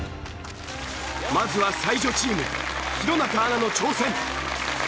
まずは才女チーム弘中アナの挑戦。